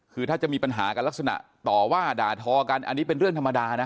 คือถ้าจะมีปัญหากันลักษณะต่อว่าด่าทอกันอันนี้เป็นเรื่องธรรมดานะ